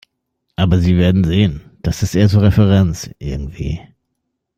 Aber Sie werden sehen, das ist eher so Referenz, irgendwie.